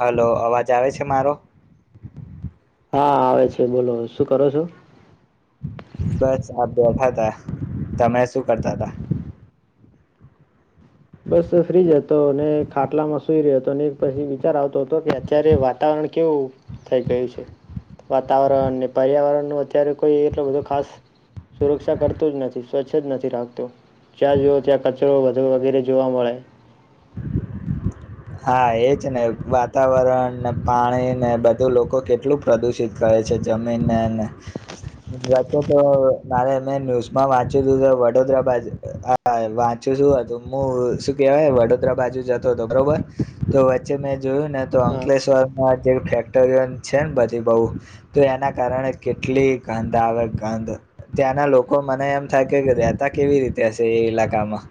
Hello અવાજ આવે છે મારો? હા આવે છે બોલો શું કરો છો? બસ આપ બેઠા થા તમે શું કરતા તા? બસ ફ્રીજ હતો અને ખાટલામાં સુઈ રહ્યો હતો અને એક પછી વિચાર આવતો હતો કે અત્યારે વાતાવરણ કેવું થઈ ગયું છે વાતાવરણને પર્યાવરણ નુ અત્યારે કોઈ એટલો બધો ખાસ સુરક્ષા કરતું જ નથી સ્વચ્છ જ નથી રાખતો જ્યાં જઓ ત્યાં કચરો વધ વગેરે જોવા મળે. હા એજ ને વાતાવરણ ને પાણી ને બધું લોકો કેટલું પ્રદુષિત કરે છે જમીનને વચ તો મારે મેં ન્યૂઝમાં વાંચ્યું હતું વડોદરા બાજુ હા વાંચ્યું શું હતું મુ શું કેવાય વડોદરા બાજુ જતો હતો બરોબર. તો વચ્ચે મે જોયું ને તો હા અંકલેશ્વર માં ફેક્ટરીઓ છે ને બધી બહુ તો એના કારણે કેટલી ગંધ આવે ગંધ ત્યાંના લોકો મને એમ થાય કે રતા કેવી રીતે હશે એ ઈલાકામાં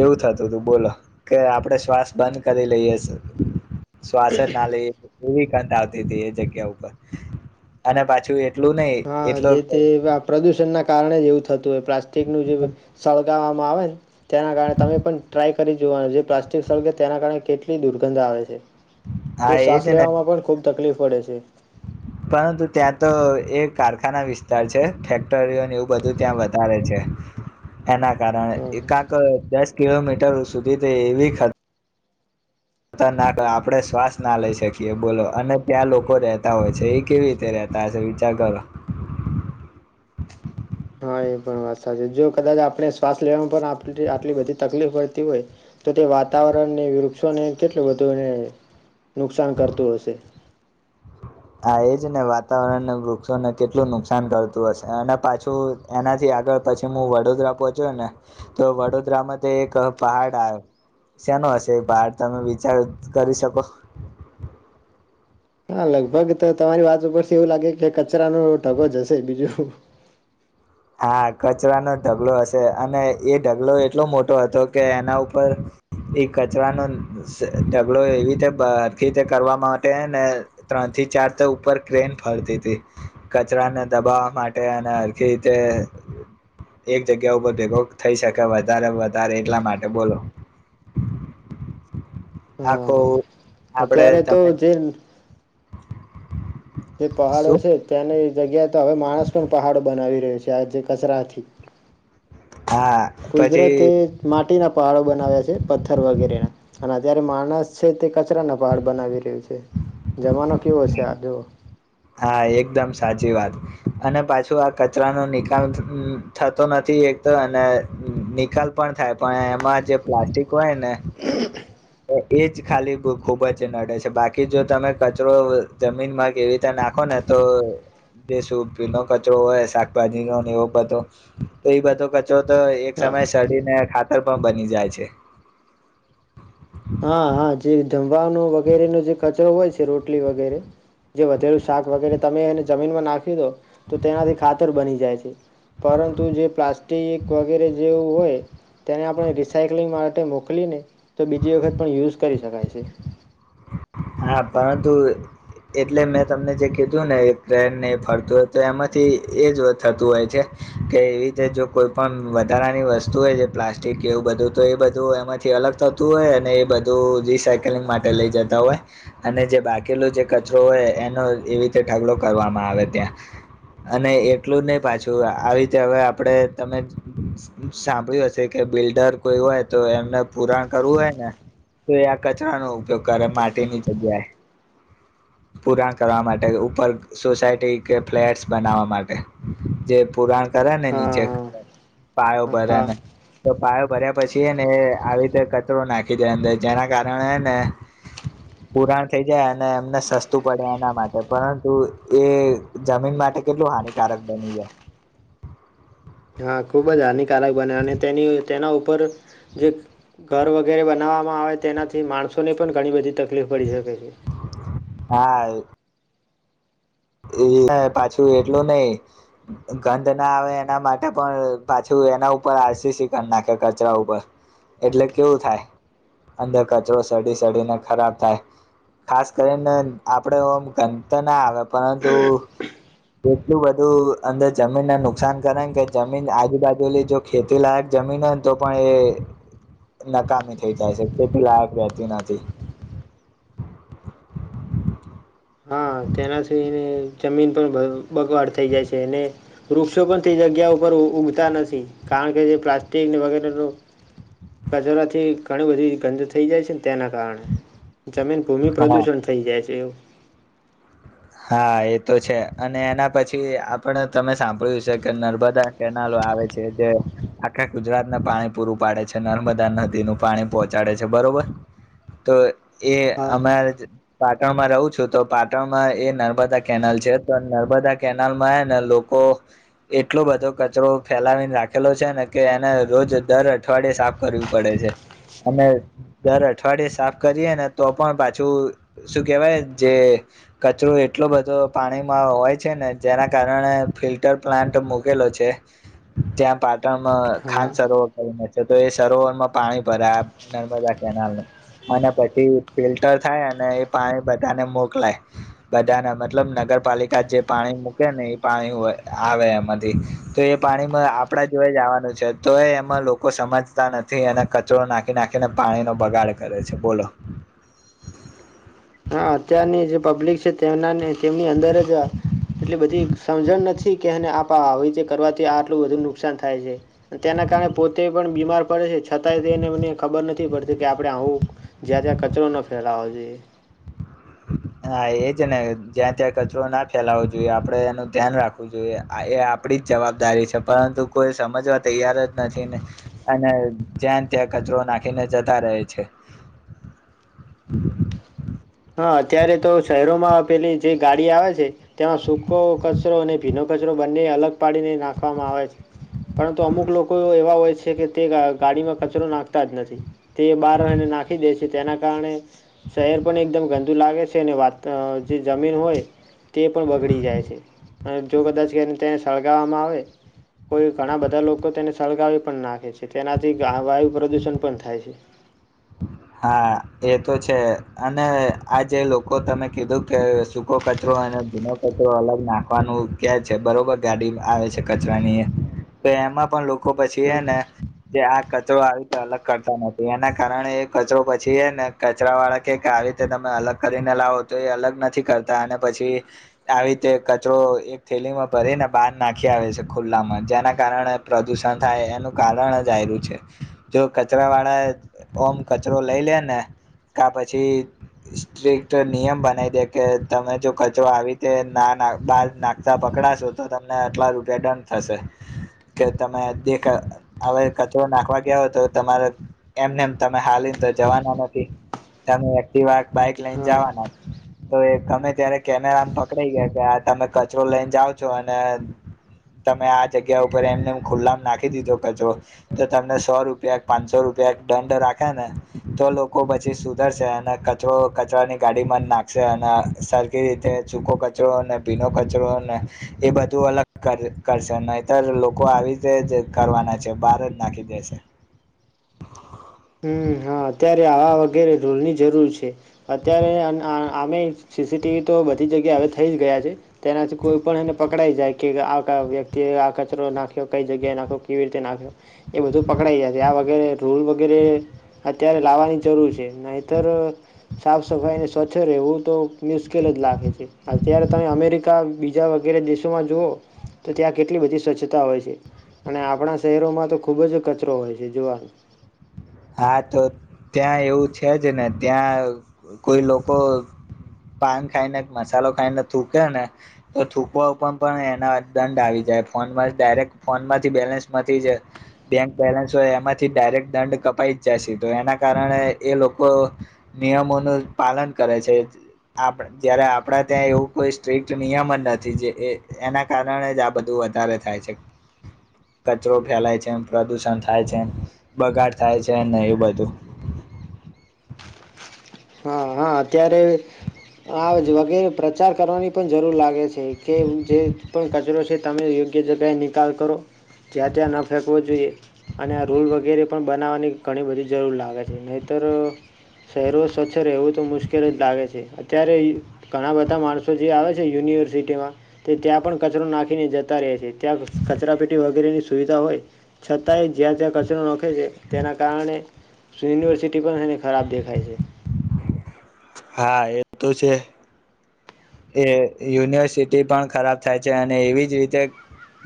એવું થતું તું બોલો કે આપડ શ્વાસ બંધ કદી લઈ છે. શ્વાસ ના લઈ એવી કંધ આવતી હતી એ જગ્યા ઉપર અને પાછું એટલું નઈ હા જે તે પ્રદુષણના કારણે જેવું થતું એ. પ્લાસ્ટિક નું જે હા સળગાવ માં આવેને તેના કારણે તમે પણ ટ્રાય કરી જોવાનું જે પ્લાસ્ટિક સળગે તેના કારણે કેટલી દુર્ગંધ આવે છે. તે એજ શ્વાસ ને લેવામાં પણ ખુબ તકલીફ પડે છે. પરંતુ ત્યાં તો એ કારખાના વિસ્તાર છે ફેક્ટરીઓને એવું બધું ત્યાં વધારે છે. એના કારણે હમ એકાક દસ કિલોમીટર સુધી તે એવી ખા તનાક આપણે શ્વાસ ના લઈ શકીએ બોલો અને ત્યાં લોકો રહેતા હોય છે એ કેવી રીતે રતા હ છે વિચાર કરો. હા એ પણ વાત સાચી છે જો કદાચ આપણે શ્વાસ લેવામાં પણ આટલી બધી તકલીફ પડતી હોય તો તે વાતાવરણને વૃક્ષોને કેટલું બધુંને નુકસાન કરતું હશે. હા એજ ને વાતાવરણને વૃક્ષોને કેટલું નુકસાન કરતું હશે અને પાછું એનાથી આગળ પછી હું વડોદરા પહોચ્યો ને તો વડોદરામાં તે એક પહાડ આવે શેનો હશે એ પહાડ તમે વિચાર કરી શકો હા લગભગ તો તમારી વાત ઉપરથી એવું લાગે કે કચરાનો ઢગો જ હશે બીજું હા કચરાનો ઢગલોો હશે અને એ ઢગલો એટલો મોટો હતો કે એના ઉપર એ કચરાનો ઢગલો એવી રીતેખીતે કરવા માટે ને ત્રણ થી ચાર ઉપર ક્રેન ફરતી હતી કચરાને દબાવવા માટે અનેખી એક જગ્યા ઉપર ભેગો થઈ શકે વધારે વધારે એટલા માટે બોલો. આખો હા આપડે અત્યારે તો તમે જે [inaudible] જે પહાડો શું છે ત્યાંને જગ્યા તો હવે માણસ પણ પહાડો બનાવી રહ્યો છે આજે કચરાથી હા પછી કુદરતે માટીના પહાડો બનાવ્યા છે પથ્થર વગેરેના અને અત્યારે માણસ છે તે કચરાના પાહડ બનાવી રહ્યું છે જમાનો કવો હશે છે આ જો હા એકદમ સાચી વાત અને પાછું આ કચરાનો નિકાલ થતો નથી એક તો અને નિકાલ પણ થાય પણ એમાં જે પ્લાસ્ટિક કોઈને એજ ખાલી ખુબ જ નડે છે બાકી જો તમે કચરો જમીનમાં કેવીતે નાખો ને તો જે શી નો કચરો હોય શાકભાજી નો એવો બધો તો એ બધો તો એક હા સમયે સડીને ખાતર પણ બની જાય છે હા હા જે જમવાનો વગેરેનો જે ખચરો હોય છે રોટલી વગેરે જે વધેલું શાક વગેરે તમે એને જમીનમાં નાખી દો તો તેનાથી ખાતર બની જાય છે પરંતુ જે પ્લાસ્ટ વગેરે જેવું હોય તેને આપણે રિસાયક્લિંગ માટે મોકલીને તો બી બીજી વખત પણ યુઝ કરી શકાય છે હા પરંતુ એટલે મેં તમને જે કીધું ને એ ટ્રેનને એ ફરતું હોય તો એમાંથી એ જ થતું હોય છે કે એવી રીતે જો કોઈ પણણ વધારાની વસ્તુ હોય જે પ્લાસ્ટિક કે એવું બધું તો એ બધું એમાંથી અલગ થતું હોય અને એ બધું રિસાયકલિંગ માટે લઈ જતા હોય અને જે બાકીલો જે કચરો હોય એનો એવી રીતે ઢગલો કરવામાં આવે ત્યાં અને એટલું નહી પાછું આવી રીતે હવે આપડે તમે સાંભળ્યું હશે કે બિલ્ડર કોઈ હોય તો એમને પુરાણ કરવું હોય ને તો આ કચરાનો ઉપયોગ કરે માટીની જગ્યાએ પુરાણ કરવા માટે ઉપર સોસાયટી કે ફ્લેટસ બનાવવા માટે જે પુરાણ કરે ને નીચે હા પાાયો હા બર હા નને તો પાાયો ભર્યા પછીને આવી રીતે કચરો નાખી દે અંદર જેના કારણેને પુરાણ થઈ જાય અને એમને સસ્તું પડે એના માટે પરંતુ એ જમીન માટે કેટલું હાનિકારક બની જાય હા ખૂબ જ હાનિકારક બને અને તેની તેના ઉપર જે ઘર વગેરે બનાવવામાં આવે તેનાથી માણસોને પણ ઘણી બધી તકલીફ પડી શકે છે હા એ પાછું એટલું નહી ગંધ ના આવે એના માટે પણ પાછું એના ઉપર આરસીસીિકન નાખે કચરા ઉપર એટલે કેવું થાય અંદર કચરો સડી સડીને ખરાબ થાય ખાસ કરીને આપડે ઓમ ગંધ તો ના આવે પરંતુ એટલું બધું અંદર જમીનને નુકસાન કરે કે જમીન આજુબાજુની જો ખેતી લયક જમીન હોયને તો પણ એ નકામી થઈ જાય છે ખેતી લાયક રહેતી નથી હા તેનાથી એને જમીન પણ બગવાડ થઈ જાય છે અનેને વૃક્ષો પણ તે જગ્યા ઉપર ઉઊગતા નથી કારણ કે જે પ્લાસ્ટિક વગેરેનું કચરોથી ઘણી બધી ગંધ થઈ જાય છે ને તેના કારણે જમીન ભૂમિ હા પ્રદુષણ થઈ જાય છે એવું હા એ તો છે અને એના પછી આપણે તમે સાંભળ્યું છે કે નર્મદા કેનાલો આવે છે જે આખા ગુજરાતને પાણી પૂરું પાડે છે નર્મદા નદીનું પાણી પહોંચાડે છે બરોબર તો એ હા અમારે પાટણ માં રહું છું તો પાટણ એ નર્મદા કેનાલ છે તો નર્મદા કેનાલમાંને લોકો એટલો બધો કચરો ફેલાવીને રાખેલો છે ને કે એને રોજ દર અઠવાડિયે સાફ કરવી પડે છે અને દર અઠવાડિયે સાફ કરીએ ને તો પણ પાછું શું કેહેવાય જે કચરો એટલો બધો પાણીમાં હોય છે ને જેના કારણે ફિલ્ટર પ્લાન્ટ મૂકેલો છે ત્યાં પાટણમાં ખંાન હા સરોવર કરીને છે તો એ સરોવરમાં પાણી ભરા નર્મદા કેનાલ અને પછી ફિલ્ટર થાય અને એ પાણી બધાને મોકલાય બધાને મતલબ નગરપાલિકા જે પાણી મૂકે ને એ પાણી આવે એમાંથી તો એ પાણીમાં આપણા જોઈ જવાનું છે તો એ એમાં લોકો સમજતા નથી એને કચરો નાખી નાખીને પાણીનો બગાડ કરે છે બોલો અત્યારની જે પબ્લિક છે તેમના તેમની અંદર જ એટલી બધી સમજણ નથી કે એને આપ આવી રીતે કરવાથી આટલું વધુ નુકસાન થાય છે તેના કારણે પોતે પણ બીમાર પડે છે છતાંય તે એનેમને ખબર નથી પડતી કે આપડે આવું જ્યાં ત્યાં કચરો ન ફેલાવો જોઈએ હા એ જ ને જ્યાં ત્યાં કચરો ના ફેલાવો જોઈએ આપે એનું ધ્યાન રાખવું જોઈએ એ આપડી જ જવાબદારી છે પરંતુ કોઈ સમજવા તૈયાર જ નથી ને અને ત્યાં ત્યાં કચરો નાખીને જતા રહે છે હા અત્યારે તો શહેરોમાં પેલી જે ગાડી આવે છે તેમાં સૂકો કચરો અને ભીનો કચરો બંને અલગ પાડીને નાખવામાં આવે છે પરંતુ અમુક લોકો એવા હોય છે કે તે ગાડીમાં કચરો નાખતા જ નથી તે બહાર રહીને નાખી દે છે તેના કારણે શહેર પણ એકદમ ગંદુ લાગે છે અને વાત જે જમીન હોય તે પણ બગડી જાય છે જો કદાચ તેને સળગાવવામાં આવે કોઈ ઘણા બધા લોકો તેને સળગાવી પણ નાખે છે તેનાથી વાયુ પ્રદુષણ પણ થાય છે હા એ તો છે અને આ જે લોકો તમે કીધું કે સૂકો કચરો અને જૂનો કચરો અલગ નાખવાનું કે છે બરોબર ગાડી આવે છે કચરાની તો એમાં પણ પછી એ ને જે આ કચરો આવી તો અલગ કરતા નથી એના કારણે એક કચરો પછી એ ને કચરા વાળા કે આવી રીતે તમે અલગ કરીને લાવો તો એ અલગ નથી કરતા અને પછી આવી રીતે કચરો એક થેલીમાં ભરીને બહાર નાખી આવે છે ખુલ્લામાં જેના કારણે પ્રદુષણ થાય એનું કારણ જ આ્યું છે જો કચરા વાળા ઓમ કચરો લઈ લે ને ક પછી સ્ટ્રીક્ટ નિયમ બનાવી દે કે તમે જો કચરો આવી રીતે ના બહાર નાખતા પકડાશો તો તમને આટલા રૂપિયા દંડ થશે કે તમે દેખ હવે કચરો નાખવા ગયા હો તો તમારે એમનેમ ને જવાના નથી તમે એક્ટ બાઈક લઈને હા જવાના તો તમે ત્યારે કેમેરા પકડાઈ ગયા કે તમે કચરો લઈને જાઓ છો અને તમે આ જગ્યા ઉપર એમને ખુલ્લા નાખી દીધો કચરો તો તમને સો રૂપિયા પાંચસો રૂપિયા દંડ રાખ ને તો લોકો પછી સુધરશે અને કચરો કચરાની ગાડી મન નાખશે અને સરખી રીતે ચૂખ કચરો ને ભીનો કચરો ને એ બધું અલગ કરશે અતર લોકો આવી રીતે જ કરવાના છે બહાર જ નાખી દેશે હમ હા અત્યારે આવા વગેરે રોલની જરૂર છે અત્યારે અમે સીસીટીવી તો બધી જગ્યા હવે થઈ જ ગયા છે તેનાથી કોઈ પણણ એને પકડાઈ જાય કે આ વ્યક્તિએ આ કચરો નાખ્યો કઈ જગ્યાએ નાખો કેવી રીતે નાખ્યો એ બધું પકડાઈ જાય છે આ વગરે રૂલ વગેરે હ અત્યારે લાવવાની જરૂર છે નતર સાફ સફાઈ અને સ્વચ્છ રહેવું તો મુશ્કેલ જ લાગે છે અત્યારે તમે અમેરિકા બીજા વગેરે દેશોમાં જુઓ તો ત્યાં કેટલી બધી સ્વચ્છતા હોય છે અને આપણા શહેરોમાં તો ખૂબ જ કચરો હોય છે જોવાનો હા તો ત્યાં એવું છે જ ને ત્યાં કોઈ લોકો પાન ખાઈને મસાલો ખાઈને થૂકે ને તો થૂકવા ઉપર પણ એના દંડ આવી જાય ફોનમાં ડાયરેક્ટ ફોન માંથી બેલેન્સમાંથી જે બેંક બેલેન્સ હોય એમાંથી ડાયરેક્ટ દંડ કપ પ જશે તો એના કારણે એ લોકો નિયમોનું પાલન કરે છે જ્યારે આપણા ત્યાં એવું કોઈ સ્ટ્રીક્ટ નિયમ જ નથી જે એના કારણે જ આ બધું વધારે થાય છે કચરો ફેલાય છે પ્રદુષણ થાય છે બગાડ થાય છે ન એવું બધું હા હા અત્યારે આ જ વગેરે પ્રચાર કરવાની પણ જરૂર લાગે છે કે જે પણ કચરો છે તમે યોગ્ય જગ્યાએ નિકાલ કરો જ્યાં ત્યાં ન ફેંકવો જોઈએ અને આ રૂલ વગેરે પણ બનાવવાની ઘણી બધી જરૂર લાગે છે નહીતર શહેરો સ્વચ્છ રહેવું મુશ્કેલ જ લાગે છે અત્યારે ઘણા બધા માણસો જે આવે છે યુનિવર્સિટીમાં તે ત્યાં પણ કચરો નાખીને જતા રહે છે ત્યાં કચરા પેટી વગેરેની સુવિધા હોય છતાંય જ્યાં ત્યાં કચરો નાખે છે તેના કારણે યુનિવર્સિટી પણ એને ખરાબ દેખાય છે હા એ તો છે એ યુનિવર્સિટી પણ ખરાબ થાય છે અને એવી જ રીતે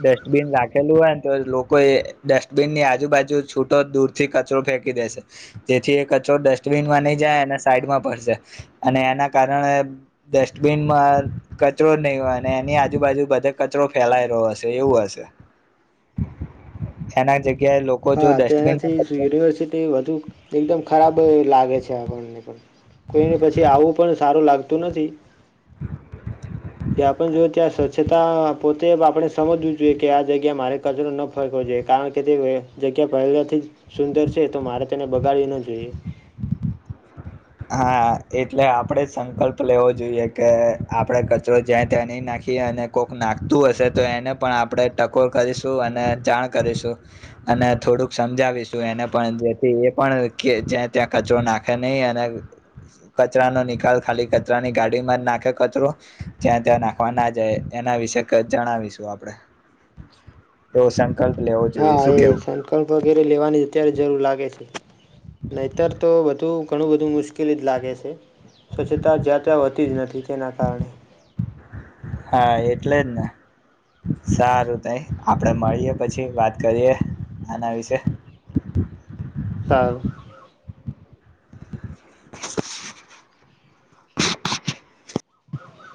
ડસ્ટબિન રાખેલું હોય ને તો લોકો એ ડસ્ટબિનની આજુબાજુ છૂટો દૂર થી કચરો ફેંકી દેશે જેથી એ કચરો ડસ્ટબિનમાં નહી જાય અને સાઈડમાં પડશે અને એના કારણે ડસ્ટબિનમાં કચરો જ નહી હોય અને એની આજુબાજુ બધે કચરો ફેલાય રહલો હશે એવું હશે એના જગ્યા હા તે એનાથી યુનિવર્સિટી વધુ એકદમ ખરાબ લાગે છે કોઈને પછી આવું પણ સારું લાગતું નથી કે આપ જો ત્યાં સ્વચ્છતા પોતે આપણે સમજવું જોઈએ કે આ જગ્યા મારે કચરો ન ફરકવો જોઈએ કારણ કે જગ્યા પહેલાથી સુંદર છે તો મારે તેને બગાડીવી ના જોઈએ હા એટલે આપણેે સંકલ્પ લેવો જોઈએ કે આપણે કચરો જ્યાં ત્યાં નહીં નાખીએ અને કોક નાખતું હશે તો એને પણ આપણે ટકોર કરીશું અને જાણ કરીશું અને થોડુંક સમજાવીશું એને પણ જેથી એ પણ જ્યાં ત્યાં કચરો નાખે નહીં અને કચરાનો નિકાલ ખાલી કચરાની ગાડી માં જ નાખે કચરો જ્યાં ત્યાં નાખવા ના જાય એના વિશે જણાવીશું આપણેે રોશ હા એ સંકલ્પ વગેરે લેવાની અત્યારે જરૂર લાગે છે નહીતર તો બધું ઘણું બધું મુશ્કેલી જ લાગે છે સ્વચ્છતા જ્યાં ત્યાં હોતી જ નથી તેના કારણે હા એટલે જ ને સારું તઈ આપડે મળીએ પછી વાત કરીએ આના વિશે [inaudible] [inaudible] [inaudible]